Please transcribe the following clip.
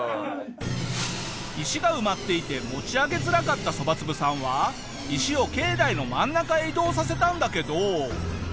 石が埋まっていて持ち上げづらかったそばつぶさんは石を境内の真ん中へ移動させたんだけど。